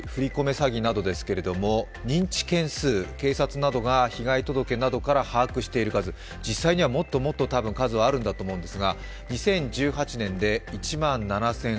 詐欺などですけれども、認知件数、警察などが被害届などから把握している数、実際にはもっともっと数はあるんだと思います。